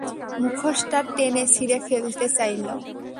মুখোশটা টেনে ছিড়ে ফেলতে চাইল।